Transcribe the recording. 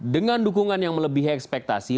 dengan dukungan yang melebihi ekspektasi